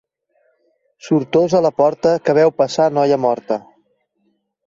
Sortosa la porta que veu passar noia morta.